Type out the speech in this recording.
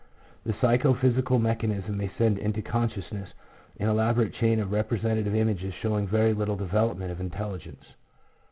The psycho physical mechanism may send into consciousness an elaborate chain of representative images, showing very little development of intelligence.